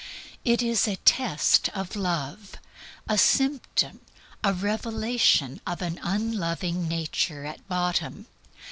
It is a test for love, a symptom, a revelation of an unloving nature at bottom.